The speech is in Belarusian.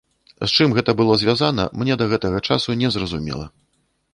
З чым гэта было звязана, мне да гэтага часу не зразумела.